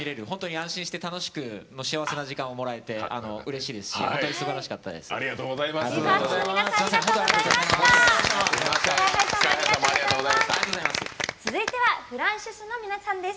安心して楽しく幸せな時間をもらえてうれしいですし本当にすばらしかったです。